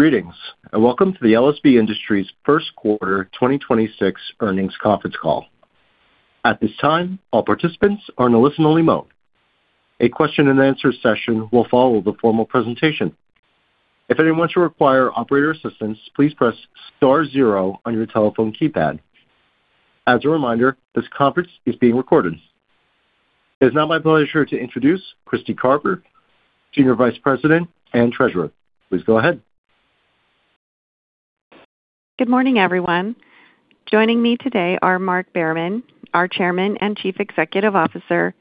Greetings and welcome to the LSB Industries Q1 2026 earnings conference call. At this time, all participants are in a listen-only mode. A question-and-answer session will follow the formal presentation. If anyone should require operator assistance, please press star zero on your telephone keypad. As a reminder, this conference is being recorded. It's now my pleasure to introduce Kristy Carver, Senior Vice President and Treasurer. Please go ahead. Good morning, everyone. Joining me today are Mark Behrman, our Chairman and Chief Executive Officer,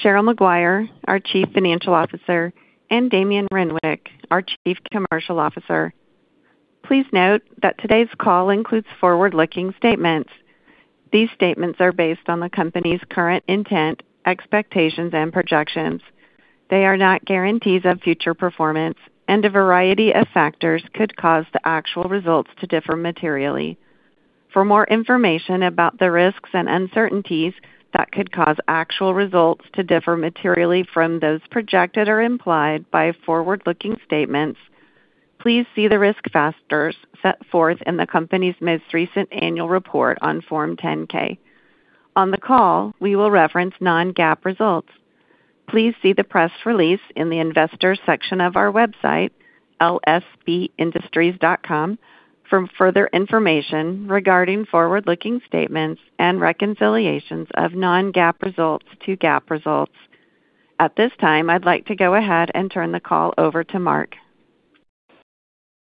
Cheryl Maguire, our Chief Financial Officer, and Damien Renwick, our Chief Commercial Officer. Please note that today's call includes forward-looking statements. These statements are based on the company's current intent, expectations, and projections. They are not guarantees of future performance. A variety of factors could cause the actual results to differ materially. For more information about the risks and uncertainties that could cause actual results to differ materially from those projected or implied by forward-looking statements, please see the risk factors set forth in the company's most recent annual report on Form 10-K. On the call, we will reference non-GAAP results. Please see the press release in the investor section of our website, lsbindustries.com, for further information regarding forward-looking statements and reconciliations of non-GAAP results to GAAP results. At this time, I'd like to go ahead and turn the call over to Mark.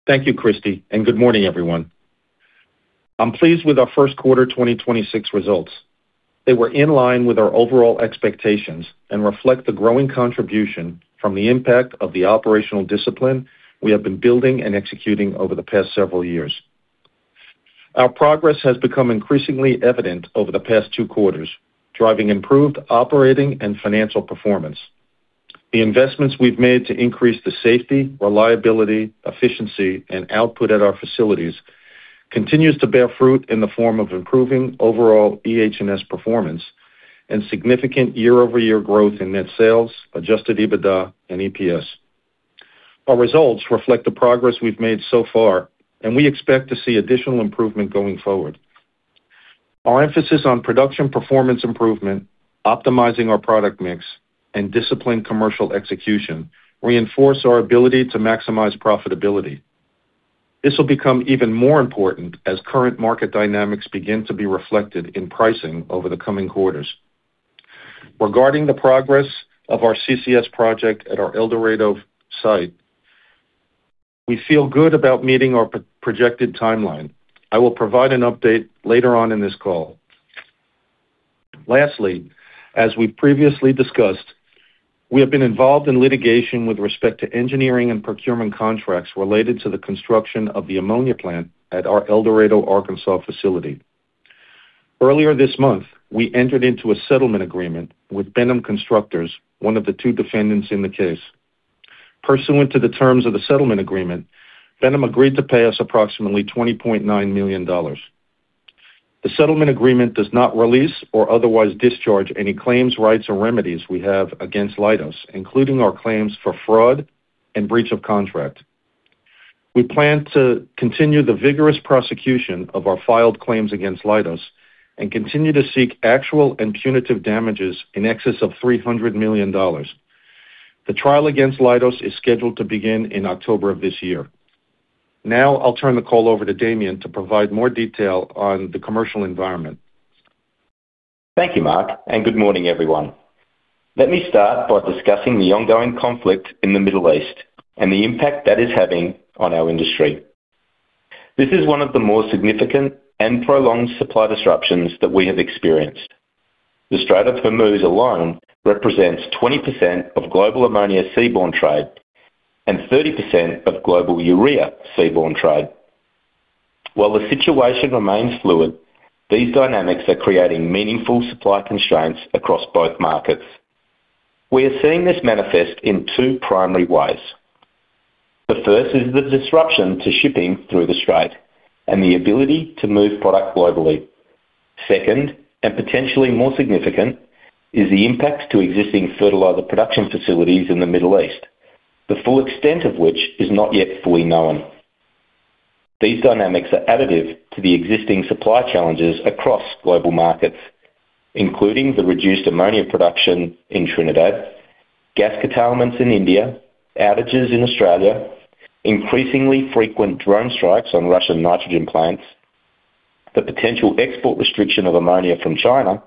Thank you, Kristy, good morning, everyone. I'm pleased with our Q1 2026 results. They were in line with our overall expectations and reflect the growing contribution from the impact of the operational discipline we have been building and executing over the past several years. Our progress has become increasingly evident over the past two quarters, driving improved operating and financial performance. The investments we've made to increase the safety, reliability, efficiency, and output at our facilities continues to bear fruit in the form of improving overall EHS performance and significant year-over-year growth in net sales, adjusted EBITDA and EPS. Our results reflect the progress we've made so far, we expect to see additional improvement going forward. Our emphasis on production performance improvement, optimizing our product mix, and disciplined commercial execution reinforce our ability to maximize profitability. This will become even more important as current market dynamics begin to be reflected in pricing over the coming quarters. Regarding the progress of our CCS project at our El Dorado site, we feel good about meeting our projected timeline. I will provide an update later on in this call. As we previously discussed, we have been involved in litigation with respect to engineering and procurement contracts related to the construction of the ammonia plant at our El Dorado, Arkansas, facility. Earlier this month, we entered into a settlement agreement with Benham Constructors, one of the two defendants in the case. Pursuant to the terms of the settlement agreement, Benham agreed to pay us approximately $20.9 million. The settlement agreement does not release or otherwise discharge any claims, rights, or remedies we have against Leidos, including our claims for fraud and breach of contract. We plan to continue the vigorous prosecution of our filed claims against Leidos and continue to seek actual and punitive damages in excess of $300 million. The trial against Leidos is scheduled to begin in October of this year. I'll turn the call over to Damien to provide more detail on the commercial environment. Thank you, Mark. Good morning, everyone. Let me start by discussing the ongoing conflict in the Middle East and the impact that is having on our industry. This is one of the more significant and prolonged supply disruptions that we have experienced. The Strait of Hormuz alone represents 20% of global ammonia seaborne trade and 30% of global urea seaborne trade. While the situation remains fluid, these dynamics are creating meaningful supply constraints across both markets. We are seeing this manifest in two primary ways. The first is the disruption to shipping through the Strait and the ability to move product globally. Second, and potentially more significant, is the impact to existing fertilizer production facilities in the Middle East, the full extent of which is not yet fully known. These dynamics are additive to the existing supply challenges across global markets, including the reduced ammonia production in Trinidad, gas curtailments in India, outages in Australia, increasingly frequent drone strikes on Russian nitrogen plants, the potential export restriction of ammonia from China,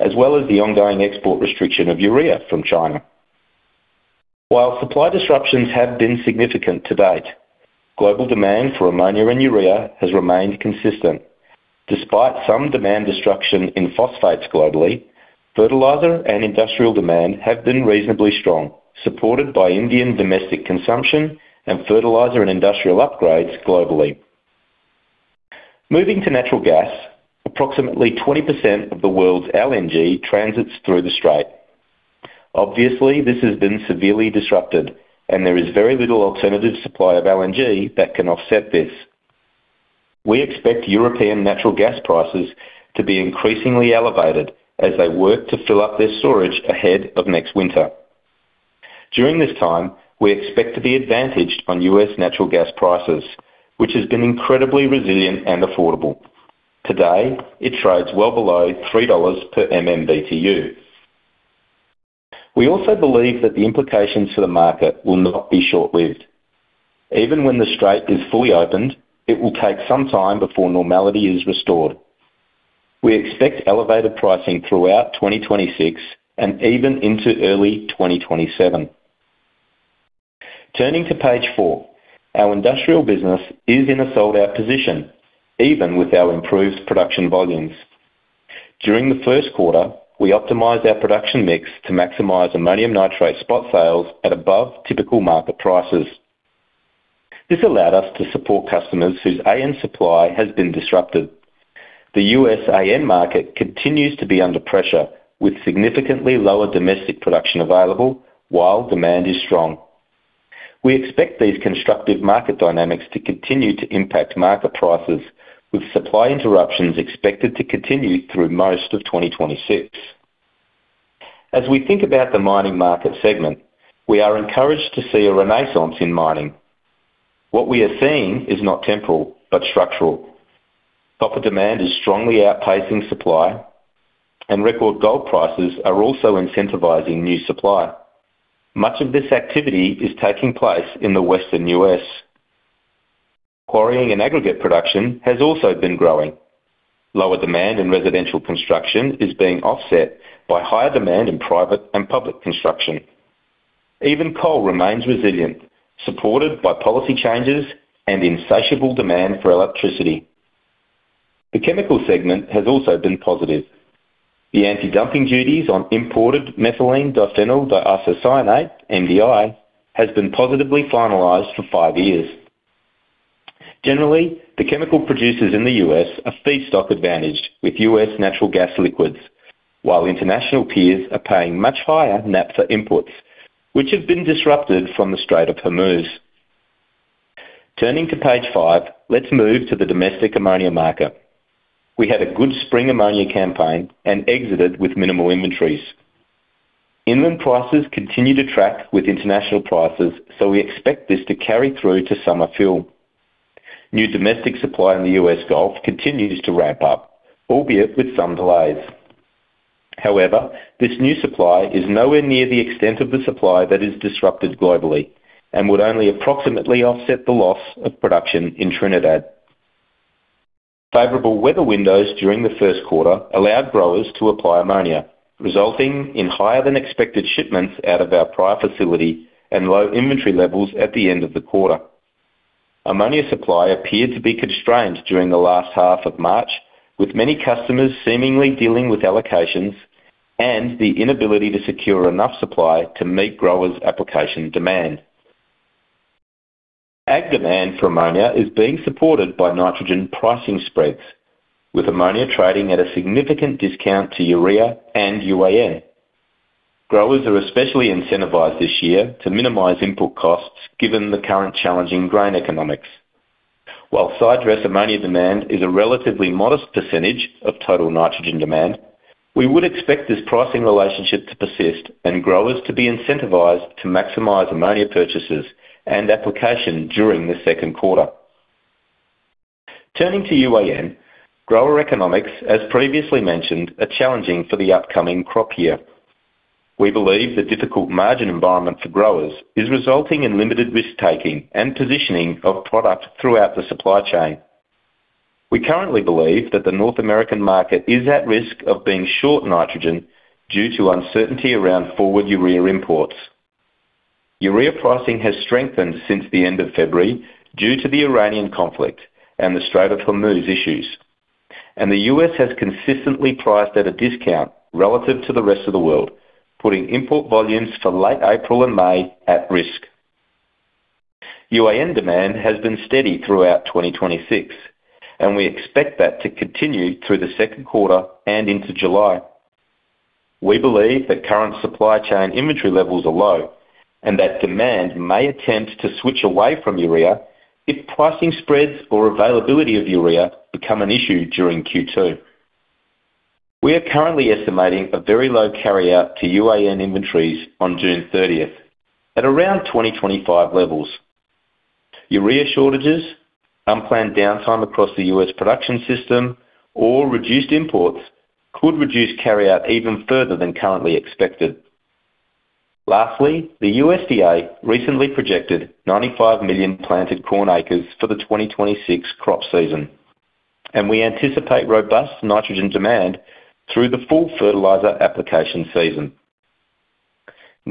as well as the ongoing export restriction of urea from China. Supply disruptions have been significant to date, global demand for ammonia and urea has remained consistent. Despite some demand destruction in phosphates globally, fertilizer and industrial demand have been reasonably strong, supported by Indian domestic consumption and fertilizer and industrial upgrades globally. Moving to natural gas, approximately 20% of the world's LNG transits through the Strait. Obviously, this has been severely disrupted, and there is very little alternative supply of LNG that can offset this. We expect European natural gas prices to be increasingly elevated as they work to fill up their storage ahead of next winter. During this time, we expect to be advantaged on U.S. natural gas prices, which has been incredibly resilient and affordable. Today, it trades well below $3 per MMBtu. We also believe that the implications to the market will not be short-lived. Even when the Strait is fully opened, it will take some time before normality is restored. We expect elevated pricing throughout 2026 and even into early 2027. Turning to page four, our industrial business is in a sold-out position, even with our improved production volumes. During the Q1, we optimized our production mix to maximize ammonium nitrate spot sales at above typical market prices. This allowed us to support customers whose AN supply has been disrupted. The U.S. AN market continues to be under pressure, with significantly lower domestic production available while demand is strong. We expect these constructive market dynamics to continue to impact market prices, with supply interruptions expected to continue through most of 2026. As we think about the mining market segment, we are encouraged to see a renaissance in mining. What we are seeing is not temporal, but structural. Copper demand is strongly outpacing supply, and record gold prices are also incentivizing new supply. Much of this activity is taking place in the Western U.S. Quarrying and aggregate production has also been growing. Lower demand in residential construction is being offset by higher demand in private and public construction. Even coal remains resilient, supported by policy changes and insatiable demand for electricity. The chemical segment has also been positive. The antidumping duties on imported methylene diphenyl diisocyanate, MDI, has been positively finalized for five years. Generally, the chemical producers in the U.S. are feedstock-advantaged with U.S. natural gas liquids, while international peers are paying much higher naphtha for imports, which have been disrupted from the Strait of Hormuz. Turning to page five, let's move to the domestic ammonia market. We had a good spring ammonia campaign and exited with minimal inventories. Inland prices continue to track with international prices, so we expect this to carry through to summer fill. New domestic supply in the U.S. Gulf continues to ramp up, albeit with some delays. However, this new supply is nowhere near the extent of the supply that is disrupted globally and would only approximately offset the loss of production in Trinidad. Favorable weather windows during the Q1 allowed growers to apply ammonia, resulting in higher than expected shipments out of our Pryor facility and low inventory levels at the end of the quarter. Ammonia supply appeared to be constrained during the last half of March, with many customers seemingly dealing with allocations and the inability to secure enough supply to meet growers' application demand. Ag demand for ammonia is being supported by nitrogen pricing spreads, with ammonia trading at a significant discount to urea and UAN. Growers are especially incentivized this year to minimize input costs given the current challenging grain economics. While sidedress ammonia demand is a relatively modest percentage of total nitrogen demand, we would expect this pricing relationship to persist and growers to be incentivized to maximize ammonia purchases and application during the Q2. Turning to UAN, grower economics, as previously mentioned, are challenging for the upcoming crop year. We believe the difficult margin environment for growers is resulting in limited risk-taking and positioning of product throughout the supply chain. We currently believe that the North American market is at risk of being short nitrogen due to uncertainty around forward urea imports. Urea pricing has strengthened since the end of February due to the Iranian conflict and the Strait of Hormuz issues, and the U.S. has consistently priced at a discount relative to the rest of the world, putting import volumes for late April and May at risk. UAN demand has been steady throughout 2026, and we expect that to continue through the Q2 and into July. We believe that current supply chain inventory levels are low, and that demand may attempt to switch away from urea if pricing spreads or availability of urea become an issue during Q2. We are currently estimating a very low carryout to UAN inventories on June 30th at around 2025 levels. Urea shortages, unplanned downtime across the U.S. production system, or reduced imports could reduce carryout even further than currently expected. Lastly, the USDA recently projected 95 million planted corn acres for the 2026 crop season. We anticipate robust nitrogen demand through the full fertilizer application season.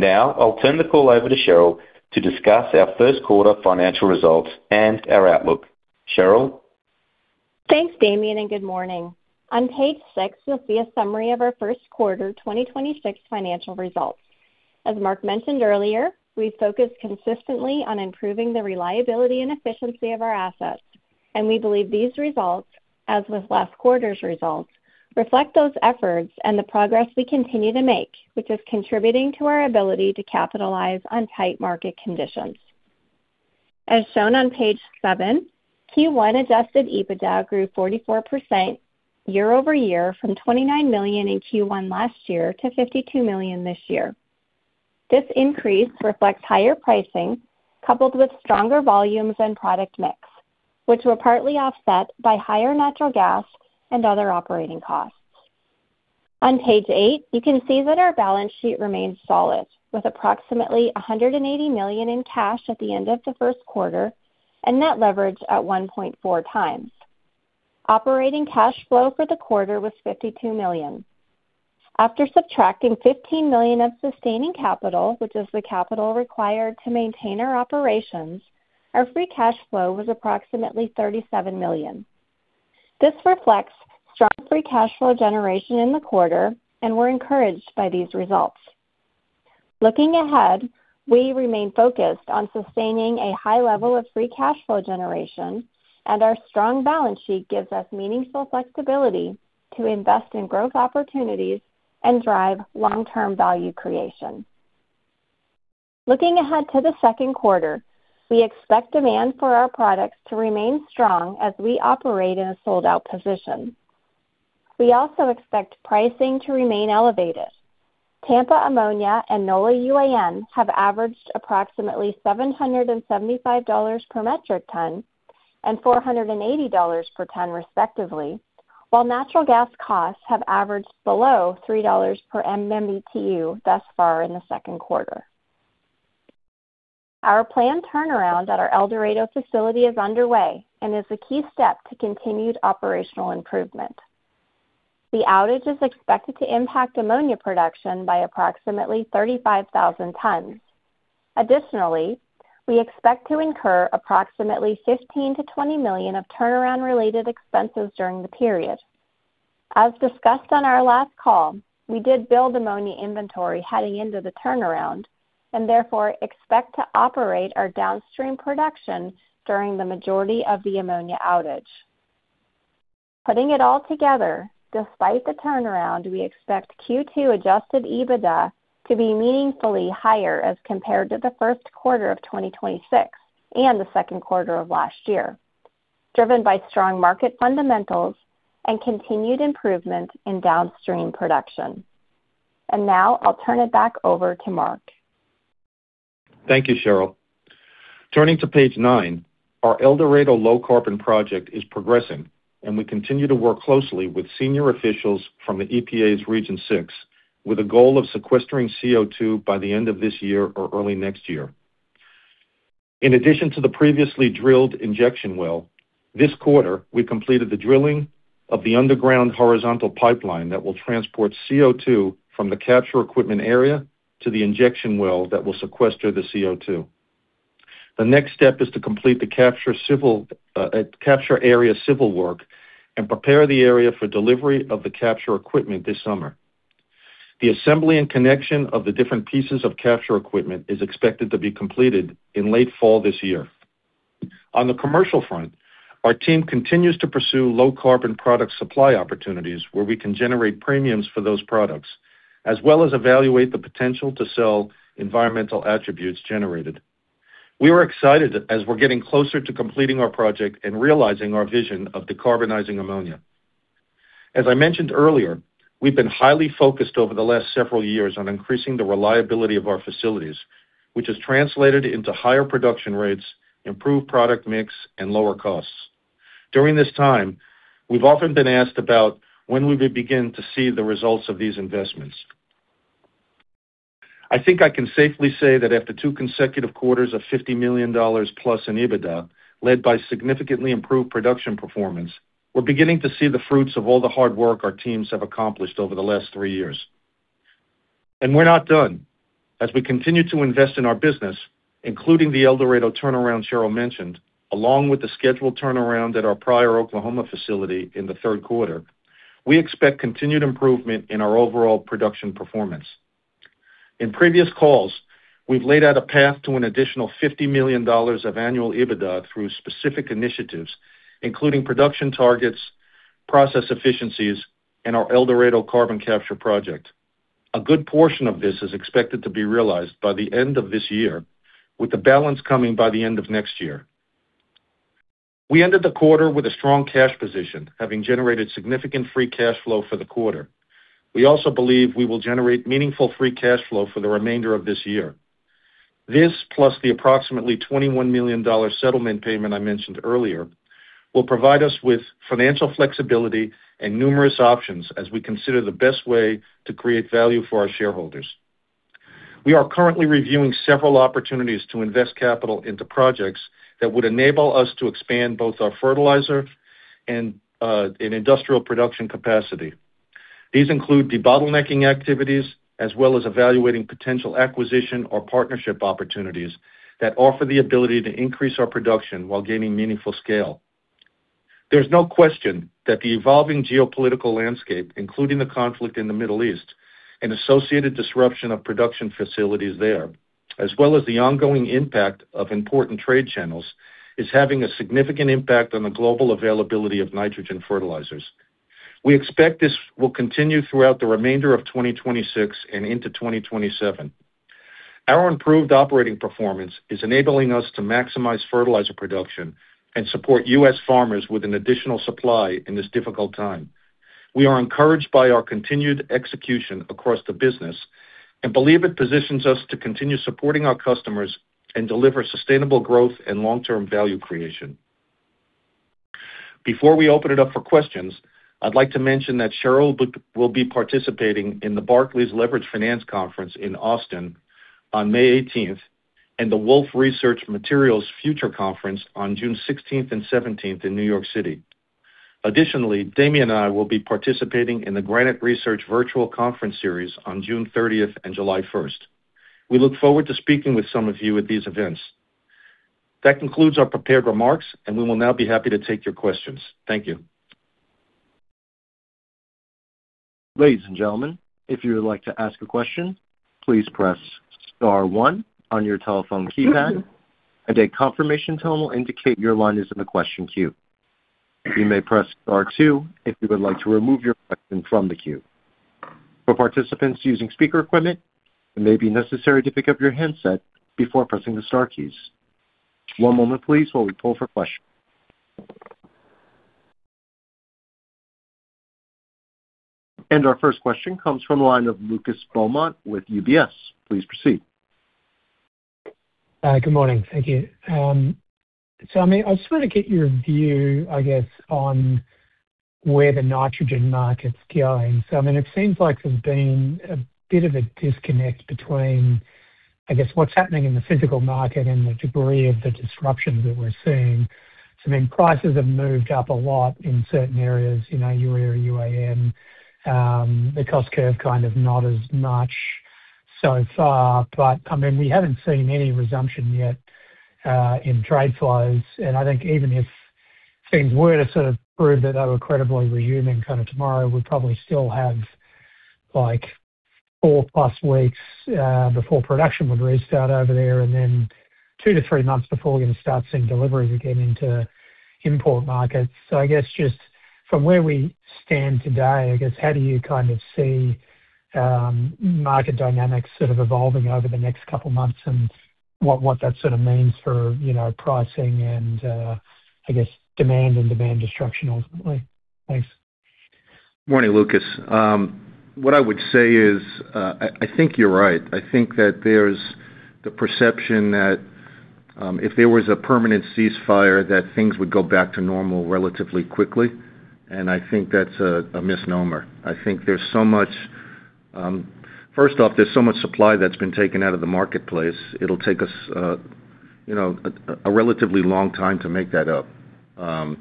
I'll turn the call over to Cheryl to discuss our Q1 financial results and our outlook. Cheryl? Thanks, Damien, and good morning. On page six, you'll see a summary of our Q1 2026 financial results. As Mark mentioned earlier, we focus consistently on improving the reliability and efficiency of our assets, and we believe these results, as with last quarter's results, reflect those efforts and the progress we continue to make, which is contributing to our ability to capitalize on tight market conditions. As shown on page seven, Q1 adjusted EBITDA grew 44% year-over-year from $29 million in Q1 last year to $52 million this year. This increase reflects higher pricing coupled with stronger volumes and product mix, which were partly offset by higher natural gas and other operating costs. On page eight, you can see that our balance sheet remains solid, with approximately $180 million in cash at the end of the Q1 and net leverage at 1.4 times. Operating cash flow for the quarter was $52 million. After subtracting $15 million of sustaining capital, which is the capital required to maintain our operations, our free cash flow was approximately $37 million. This reflects strong free cash flow generation in the quarter, and we're encouraged by these results. Looking ahead, we remain focused on sustaining a high level of free cash flow generation, and our strong balance sheet gives us meaningful flexibility to invest in growth opportunities and drive long-term value creation. Looking ahead to the Q2, we expect demand for our products to remain strong as we operate in a sold-out position. We also expect pricing to remain elevated. Tampa Ammonia and Nola UAN have averaged approximately $775 per metric ton and $480 per ton, respectively, while natural gas costs have averaged below $3 per MMBtu thus far in the Q2. Our planned turnaround at our El Dorado facility is underway and is a key step to continued operational improvement. The outage is expected to impact ammonia production by approximately 35,000 tons. Additionally, we expect to incur approximately $15-$20 million of turnaround-related expenses during the period. As discussed on our last call, we did build ammonia inventory heading into the turnaround and therefore expect to operate our downstream production during the majority of the ammonia outage. Putting it all together, despite the turnaround, we expect Q2 adjusted EBITDA to be meaningfully higher as compared to the Q1 of 2026 and the Q2 of last year, driven by strong market fundamentals and continued improvement in downstream production. Now I'll turn it back over to Mark. Thank you, Cheryl. Turning to page nine, our El Dorado low carbon project is progressing. We continue to work closely with senior officials from the EPA's Region six with a goal of sequestering CO2 by the end of this year or early next year. In addition to the previously drilled injection well, this quarter, we completed the drilling of the underground horizontal pipeline that will transport CO2 from the capture equipment area to the injection well that will sequester the CO2. The next step is to complete the capture civil capture area civil work and prepare the area for delivery of the capture equipment this summer. The assembly and connection of the different pieces of capture equipment is expected to be completed in late fall this year. On the commercial front, our team continues to pursue low carbon product supply opportunities where we can generate premiums for those products, as well as evaluate the potential to sell environmental attributes generated. We are excited as we're getting closer to completing our project and realizing our vision of decarbonizing ammonia. As I mentioned earlier, we've been highly focused over the last several years on increasing the reliability of our facilities, which has translated into higher production rates, improved product mix, and lower costs. During this time, we've often been asked about when we will begin to see the results of these investments. I think I can safely say that after two consecutive quarters of $50 million plus in EBITDA led by significantly improved production performance, we're beginning to see the fruits of all the hard work our teams have accomplished over the last three years. We're not done. As we continue to invest in our business, including the El Dorado turnaround Cheryl mentioned, along with the scheduled turnaround at our Pryor, Oklahoma facility in the Q3, we expect continued improvement in our overall production performance. In previous calls, we've laid out a path to an additional $50 million of annual EBITDA through specific initiatives, including production targets, process efficiencies, and our El Dorado carbon capture project. A good portion of this is expected to be realized by the end of this year, with the balance coming by the end of next year. We ended the quarter with a strong cash position, having generated significant free cash flow for the quarter. We also believe we will generate meaningful free cash flow for the remainder of this year. This, plus the approximately $21 million settlement payment I mentioned earlier, will provide us with financial flexibility and numerous options as we consider the best way to create value for our shareholders. We are currently reviewing several opportunities to invest capital into projects that would enable us to expand both our fertilizer and industrial production capacity. These include debottlenecking activities as well as evaluating potential acquisition or partnership opportunities that offer the ability to increase our production while gaining meaningful scale. There's no question that the evolving geopolitical landscape, including the conflict in the Middle East and associated disruption of production facilities there, as well as the ongoing impact of important trade channels, is having a significant impact on the global availability of nitrogen fertilizers. We expect this will continue throughout the remainder of 2026 and into 2027. Our improved operating performance is enabling us to maximize fertilizer production and support U.S. farmers with an additional supply in this difficult time. We are encouraged by our continued execution across the business and believe it positions us to continue supporting our customers and deliver sustainable growth and long-term value creation. Before we open it up for questions, I'd like to mention that Cheryl will be participating in the Barclays Leveraged Finance Conference in Austin on May 18th, and the Wolfe Research Materials of the Future Conference on June 16th and 17th in New York City. Additionally, Damien and I will be participating in the Granite Research Virtual Conference series on June 30th and July 1st. We look forward to speaking with some of you at these events. That concludes our prepared remarks, we will now be happy to take your questions. Thank you. Ladies and gentlemen, if you would like to ask a question, please press star one on your telephone keypad and a confirmation tone will indicate your line is in the question queue. You may press star two if you would like to remove your question from the queue. For participants using speaker equipment, it may be necessary to pick up your handset before pressing the star keys. One moment please while we pull for questions. Our first question comes from the line of Lucas Beaumont with UBS. Please proceed. Good morning. Thank you. I mean, I just want to get your view, I guess, on where the nitrogen market's going. I mean, it seems like there's been a bit of a disconnect between, I guess, what's happening in the physical market and the degree of the disruptions that we're seeing. I mean, prices have moved up a lot in certain areas, you know, urea, UAN, the cost curve kind of not as much so far. I mean, we haven't seen any resumption yet in trade flows. I think even if things were to sort of prove that they were credibly resuming kind of tomorrow, we'd probably still have, like, four plus weeks before production would restart over there and then two to three months before we're going to start seeing deliveries again into import markets. I guess just from where we stand today, I guess, how do you kind of see market dynamics sort of evolving over the next couple of months and what that sort of means for, you know, pricing and I guess demand and demand destruction ultimately? Thanks. Morning, Lucas. What I would say is, I think you're right. I think that there's the perception that, if there was a permanent ceasefire, that things would go back to normal relatively quickly. I think that's a misnomer. I think there's so much. First off, there's so much supply that's been taken out of the marketplace. It'll take us, you know, a relatively long time to make that up. Part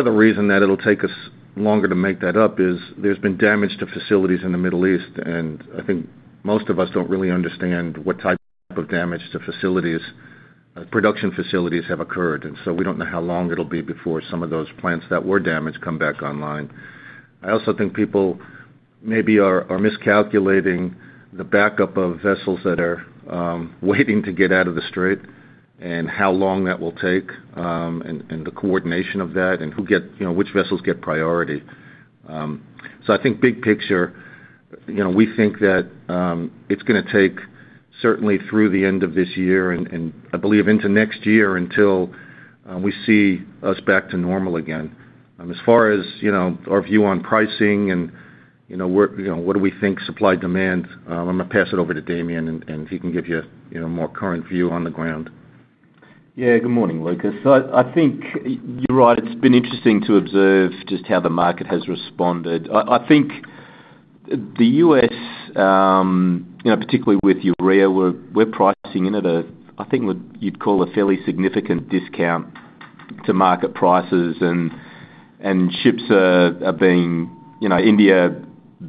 of the reason that it'll take us longer to make that up is there's been damage to facilities in the Middle East, and I think most of us don't really understand what type of damage to facilities, production facilities have occurred. We don't know how long it'll be before some of those plants that were damaged come back online. I also think people maybe are miscalculating the backup of vessels that are waiting to get out of the Strait and how long that will take, and the coordination of that and who get, you know, which vessels get priority. I think big picture, you know, we think that it's going to take certainly through the end of this year, and I believe into next year until we see us back to normal again. As far as, you know, our view on pricing and, you know, where, you know, what do we think supply demand, I'm going to pass it over to Damien, and he can give you know, a more current view on the ground. Yeah. Good morning, Lucas. I think you're right. It's been interesting to observe just how the market has responded. I think the U.S., you know, particularly with urea, we're pricing in at a, I think what you'd call a fairly significant discount to market prices and ships are being, you know, India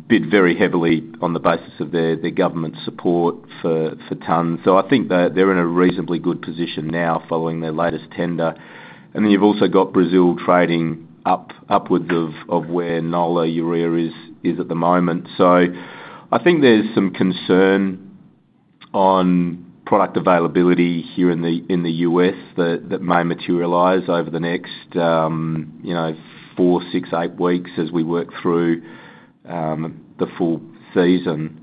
bid very heavily on the basis of their government support for tons. I think they're in a reasonably good position now following their latest tender. Then you've also got Brazil trading upwards of where Nola urea is at the moment. I think there's some concern on product availability here in the U.S. that may materialize over the next, you know, four, six, eight weeks as we work through the full season.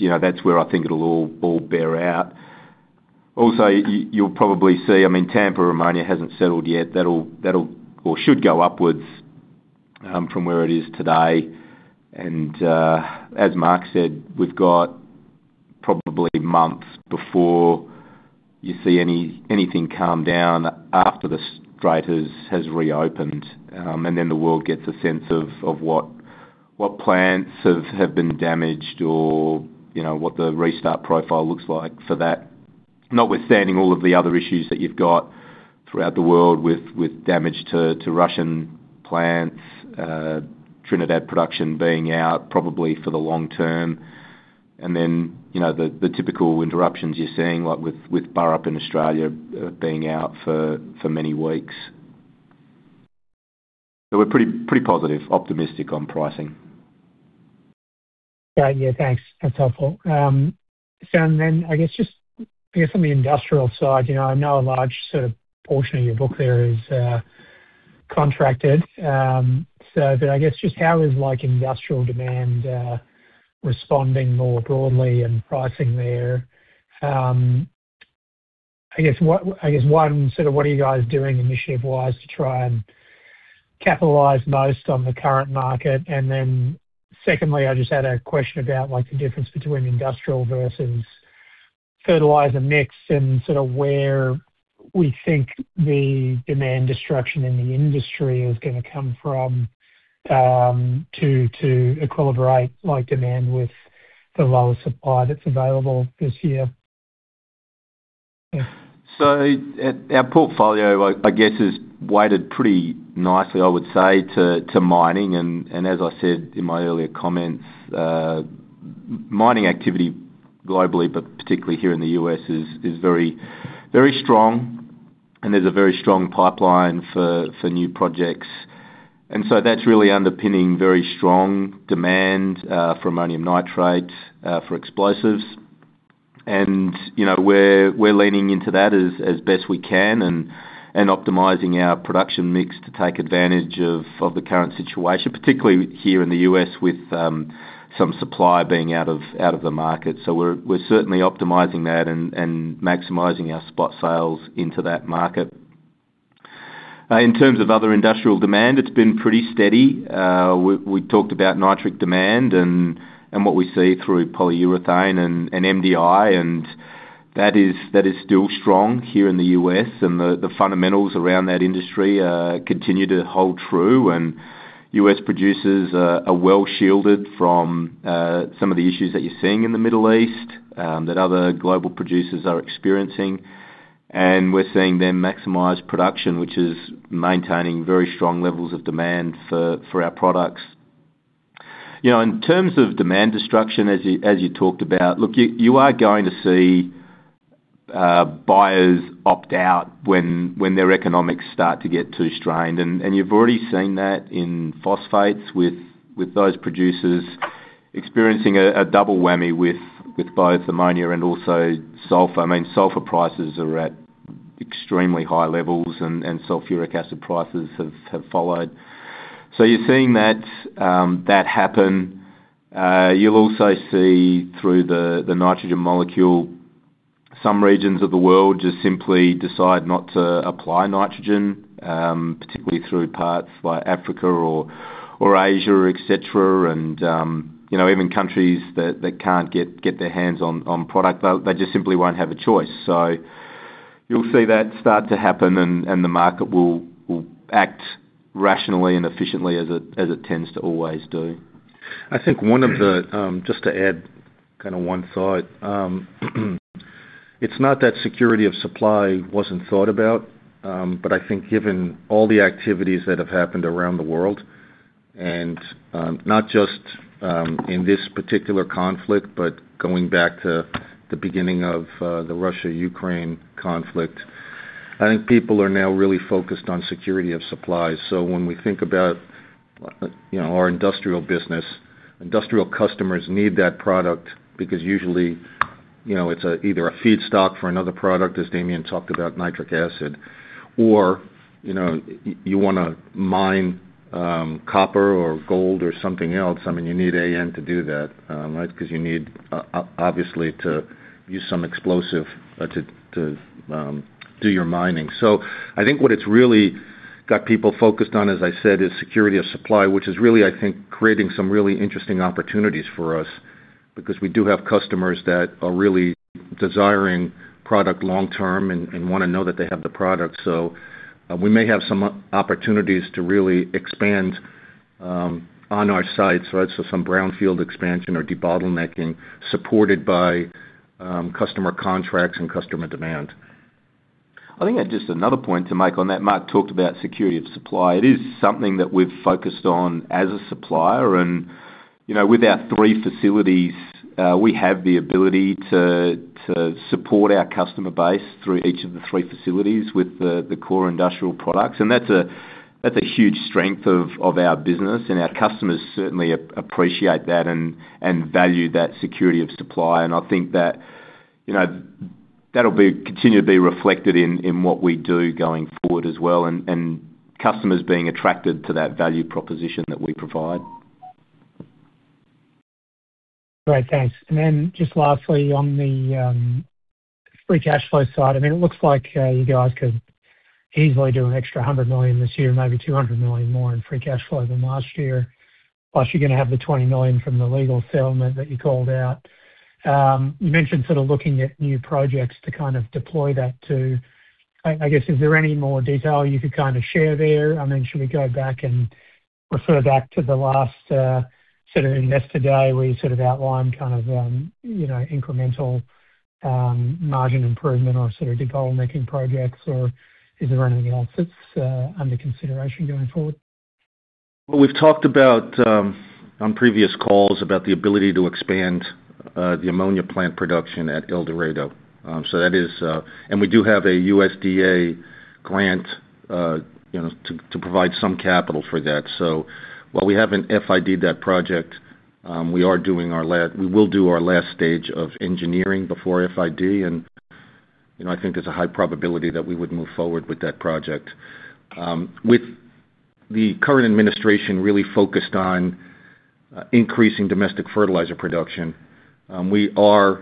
You know, that's where I think it'll all bear out. Also, you'll probably see, I mean, Tampa ammonia hasn't settled yet. That'll or should go upwards from where it is today. As Mark said, we've got probably months before you see anything calm down after the Strait has reopened. The world gets a sense of what plants have been damaged or, you know, what the restart profile looks like for that. Notwithstanding all of the other issues that you've got throughout the world with damage to Russian plants, Trinidad production being out probably for the long term. You know, the typical interruptions you're seeing, like with Burrup in Australia, being out for many weeks. We're pretty positive, optimistic on pricing. Great. Yeah, thanks. That's helpful. I guess just, I guess on the industrial side, you know, I know a large sort of portion of your book there is contracted. I guess just how is like industrial demand responding more broadly and pricing there? I guess one sort of, what are you guys doing initiative wise to try and capitalize most on the current market? Secondly, I just had a question about like the difference between industrial versus fertilizer mix and sort of where we think the demand destruction in the industry is gonna come from to equilibrate like demand with the lower supply that's available this year. Yeah. At our portfolio, I guess is weighted pretty nicely, I would say to mining and as I said in my earlier comments, mining activity globally, but particularly here in the U.S. is very, very strong and there's a very strong pipeline for new projects. That's really underpinning very strong demand for ammonium nitrate for explosives. You know, we're leaning into that as best we can and optimizing our production mix to take advantage of the current situation, particularly here in the U.S. with some supply being out of the market. We're certainly optimizing that and maximizing our spot sales into that market. In terms of other industrial demand, it's been pretty steady. We talked about nitric demand and what we see through polyurethane and MDI, that is still strong here in the U.S. and the fundamentals around that industry continue to hold true. U.S. producers are well shielded from some of the issues that you're seeing in the Middle East that other global producers are experiencing. We're seeing them maximize production, which is maintaining very strong levels of demand for our products. You know, in terms of demand destruction, as you talked about, look, you are going to see buyers opt out when their economics start to get too strained. You've already seen that in phosphates with those producers experiencing a double whammy with both ammonia and also sulfur. I mean, sulfur prices are at extremely high levels and sulfuric acid prices have followed. You're seeing that happen. You'll also see through the nitrogen molecule, some regions of the world just simply decide not to apply nitrogen, particularly through parts like Africa or Asia, et cetera. You know, even countries that can't get their hands on product, they just simply won't have a choice. You'll see that start to happen and the market will act rationally and efficiently as it tends to always do. I think one of the, just to add kinda one thought, it's not that security of supply wasn't thought about, but I think given all the activities that have happened around the world, and not just in this particular conflict, but going back to the beginning of the Russia-Ukraine conflict, I think people are now really focused on security of supply. When we think about, you know, our industrial business, industrial customers need that product because usually, you know, it's either a feedstock for another product, as Damien talked about nitric acid or, you know, you wanna mine copper or gold or something else. I mean, you need AN to do that, right? 'Cause you need obviously to use some explosive to do your mining. I think what it's really got people focused on, as I said, is security of supply, which is really, I think, creating some really interesting opportunities for us because we do have customers that are really desiring product long term and wanna know that they have the product. We may have some opportunities to really expand on our sites, right? Some brownfield expansion or debottlenecking supported by customer contracts and customer demand. I think just another point to make on that, Mark talked about security of supply. It is something that we've focused on as a supplier and, you know, with our three facilities, we have the ability to support our customer base through each of the three facilities with the core industrial products. That's a huge strength of our business and our customers certainly appreciate that and value that security of supply. I think that, you know, that'll continue to be reflected in what we do going forward as well and customers being attracted to that value proposition that we provide. Great. Thanks. Just lastly, on the free cash flow side, I mean, it looks like you guys could easily do an extra $100 million this year, maybe $200 million more in free cash flow than last year. Plus, you're going to have the $20 million from the legal settlement that you called out. You mentioned sort of looking at new projects to kind of deploy that to. I guess, is there any more detail you could kind of share there? I mean, should we go back and refer back to the last sort of invest today where you sort of outlined kind of, you know, incremental margin improvement or sort of debottlenecking projects, or is there anything else that's under consideration going forward? Well, we've talked about on previous calls about the ability to expand the ammonia plant production at El Dorado. We do have a USDA grant, you know, to provide some capital for that. While we haven't FID'd that project, we are doing our last stage of engineering before FID. You know, I think there's a high probability that we would move forward with that project. With the current administration really focused on increasing domestic fertilizer production, we are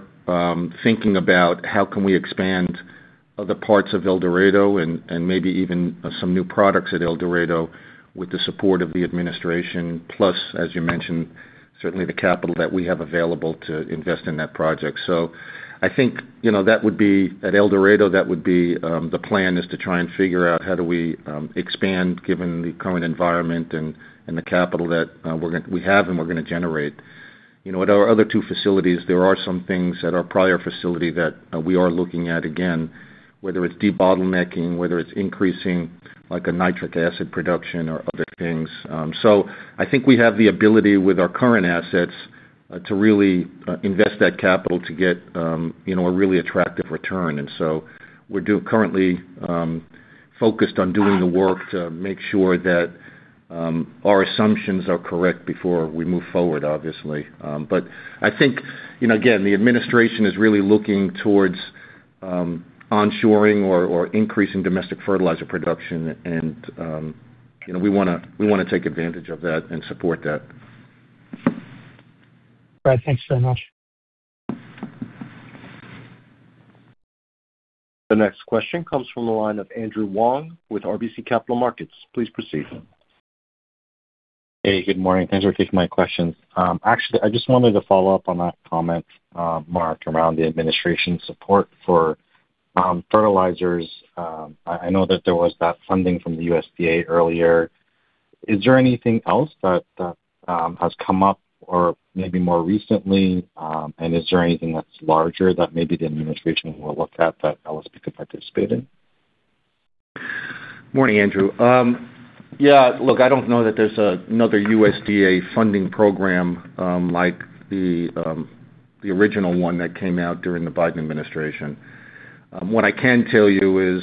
thinking about how can we expand other parts of El Dorado and maybe even some new products at El Dorado with the support of the administration, plus, as you mentioned, certainly the capital that we have available to invest in that project. I think, you know, that would be at El Dorado, that would be the plan, is to try and figure out how do we expand given the current environment and the capital that we have and we're gonna generate. You know, at our other two facilities, there are some things at our Pryor facility that we are looking at again, whether it's debottlenecking, whether it's increasing like a nitric acid production or other things. I think we have the ability with our current assets to really invest that capital to get, you know, a really attractive return. We're currently focused on doing the work to make sure that our assumptions are correct before we move forward, obviously. I think, you know, again, the administration is really looking towards, onshoring or increasing domestic fertilizer production and, you know, we wanna take advantage of that and support that. Brad, thanks so much. The next question comes from the line of Andrew Wong with RBC Capital Markets. Please proceed. Hey, good morning. Thanks for taking my questions. Actually, I just wanted to follow up on that comment, Mark, around the administration support for fertilizers. I know that there was that funding from the USDA earlier. Is there anything else that has come up or maybe more recently, and is there anything that's larger that maybe the administration will look at that LSB could participate in? Morning, Andrew. Yeah, look, I don't know that there's another USDA funding program, like the original one that came out during the Biden administration. What I can tell you is,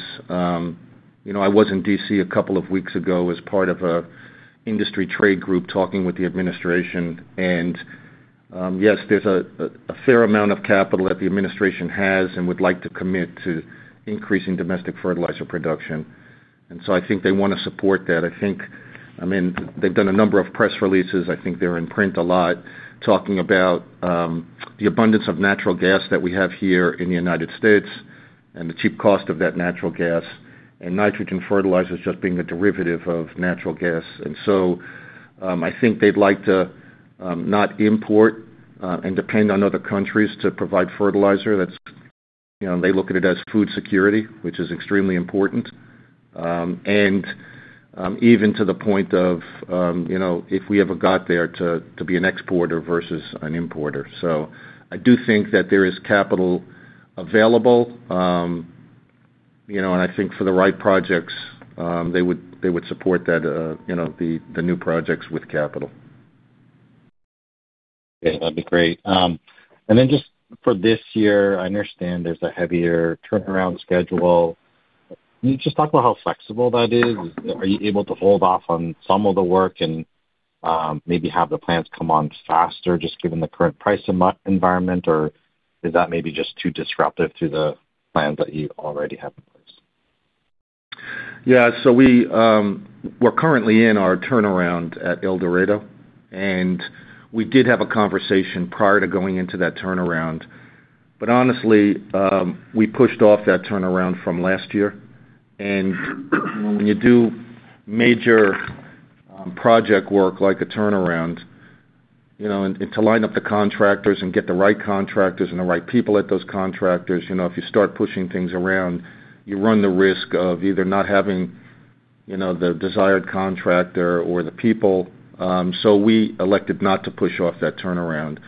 you know, I was in D.C. a couple of weeks ago as part of a industry trade group talking with the administration. Yes, there's a fair amount of capital that the administration has and would like to commit to increasing domestic fertilizer production. I think they wanna support that. I think, I mean, they've done a number of press releases. I think they're in print a lot talking about the abundance of natural gas that we have here in the United States and the cheap cost of that natural gas, and nitrogen fertilizers just being a derivative of natural gas. I think they'd like to not import and depend on other countries to provide fertilizer. That's, you know, they look at it as food security, which is extremely important. Even to the point of, you know, if we ever got there to be an exporter versus an importer. I do think that there is capital available. You know, I think for the right projects, they would support that, you know, the new projects with capital. Yeah, that'd be great. Just for this year, I understand there's a heavier turnaround schedule. Can you just talk about how flexible that is? Are you able to hold off on some of the work and maybe have the plants come on faster just given the current price environment? Or is that maybe just too disruptive to the plans that you already have in place? Yeah. We're currently in our turnaround at El Dorado, and we did have a conversation prior to going into that turnaround. Honestly, we pushed off that turnaround from last year. When you do major, project work like a turnaround, you know, to line up the contractors and get the right contractors and the right people at those contractors, you know, if you start pushing things around, you run the risk of either not having, you know, the desired contractor or the people. We elected not to push off that turnaround.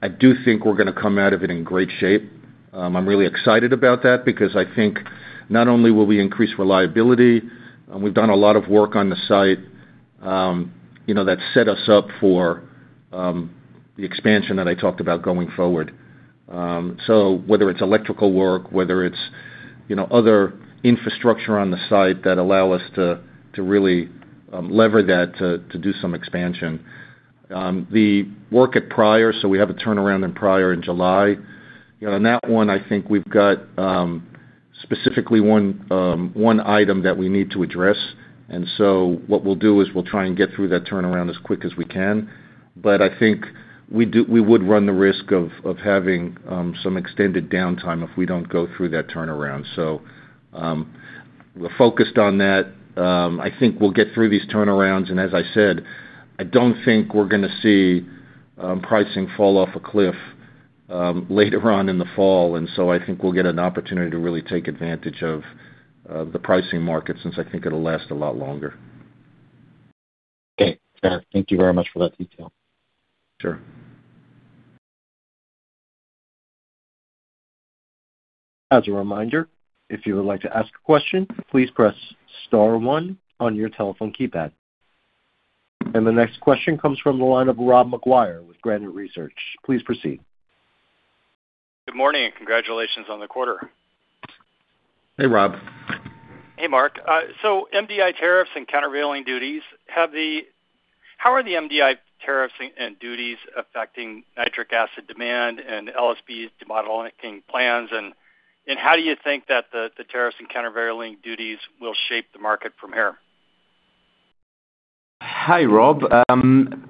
I do think we're going tocome out of it in great shape. I'm really excited about that because I think not only will we increase reliability, we've done a lot of work on the site, you know, that set us up for the expansion that I talked about going forward. So whether it's electrical work, whether it's, you know, other infrastructure on the site that allow us to really lever that to do some expansion. The work at Pryor, so we have a turnaround in Pryor in July. You know, on that one, I think we've got specifically one one item that we need to address. What we'll do is we'll try and get through that turnaround as quick as we can. I think we would run the risk of having some extended downtime if we don't go through that turnaround. We're focused on that. I think we'll get through these turnarounds. As I said, I don't think we're gonna see pricing fall off a cliff, later on in the fall. I think we'll get an opportunity to really take advantage of the pricing market since I think it'll last a lot longer. Okay. Thank you very much for that detail. Sure. As a reminder, if you would like to ask a question, please press star one on your telephone keypad. The next question comes from the line of Robert McGuire with Granite Research. Please proceed. Good morning, and congratulations on the quarter. Hey, Rob. Hey, Mark. MDI tariffs and countervailing duties, how are the MDI tariffs and duties affecting nitric acid demand and LSB's demonetizing plans and how do you think that the tariffs and countervailing duties will shape the market from here? Hey, Rob.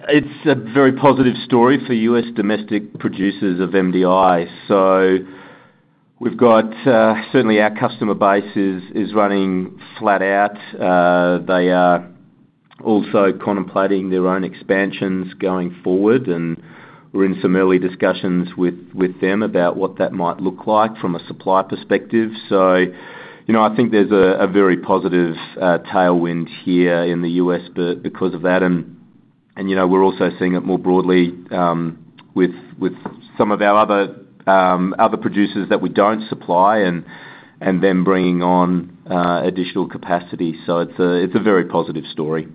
It's a very positive story for U.S. domestic producers of MDI. We've got, certainly our customer base is running flat out. They are also contemplating their own expansions going forward, and we're in some early discussions with them about what that might look like from a supply perspective. You know, I think there's a very positive tailwind here in the U.S. because of that. You know, we're also seeing it more broadly with some of our other producers that we don't supply and them bringing on additional capacity. It's a very positive story.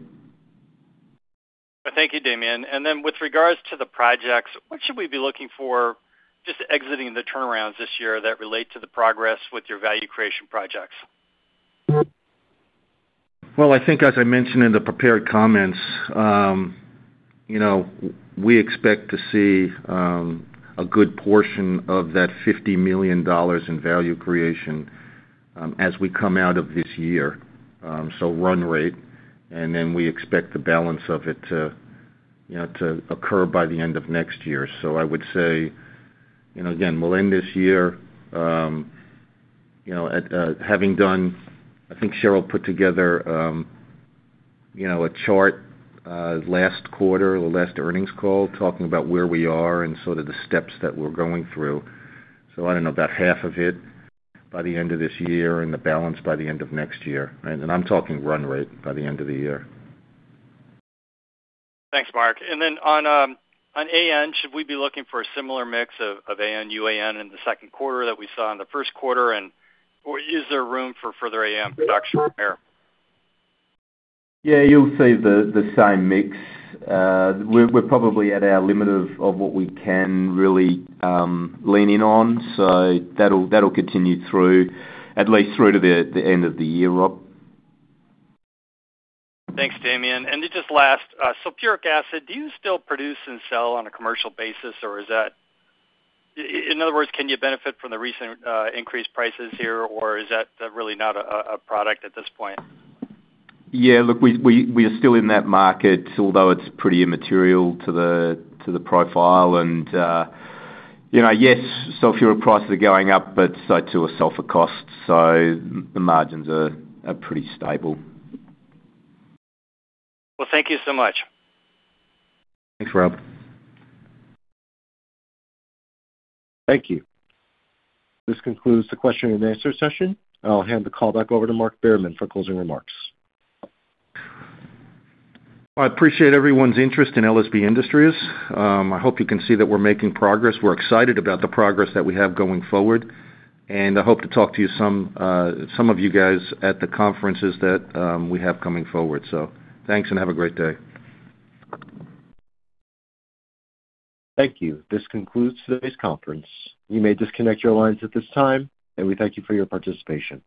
Thank you, Damien. With regards to the projects, what should we be looking for just exiting the turnarounds this year that relate to the progress with your value creation projects? Well, I think as I mentioned in the prepared comments, you know, we expect to see a good portion of that $50 million in value creation as we come out of this year, run rate. We expect the balance of it to, you know, to occur by the end of next year. I would say, you know, again, we'll end this year, you know, at having done. I think Cheryl put together, you know, a chart last quarter or last earnings call talking about where we are and sort of the steps that we're going through. I don't know about half of it by the end of this year and the balance by the end of next year, right? I'm talking run rate by the end of the year. Thanks, Mark. On AN, should we be looking for a similar mix of AN, UAN in the Q2 that we saw in the Q1, is there room for further AN production from here? Yeah, you'll see the same mix. We're probably at our limit of what we can really lean in on. That'll continue through, at least through to the end of the year, Rob. Thanks, Damien. Just last, sulfuric acid, do you still produce and sell on a commercial basis, or in other words, can you benefit from the recent increased prices here, or is that really not a product at this point? Look, we are still in that market, although it's pretty immaterial to the profile. You know, yes, sulfuric prices are going up, but so too are sulfur costs, so the margins are pretty stable. Well, thank you so much. Thanks, Rob. Thank you. This concludes the question and answer session. I'll hand the call back over to Mark Behrman for closing remarks. I appreciate everyone's interest in LSB Industries. I hope you can see that we're making progress. We're excited about the progress that we have going forward, and I hope to talk to you some of you guys at the conferences that we have coming forward. Thanks and have a great day. Thank you. This concludes today's conference. You may disconnect your lines at this time, and we thank you for your participation.